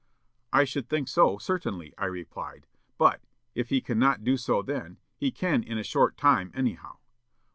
"'I should think so, certainly,' I replied. 'But, if he cannot do so then, he can in a short time, anyhow.'